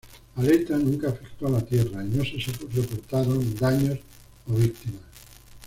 Aletta nunca afectó a la tierra, y no se reportaron daños o víctimas.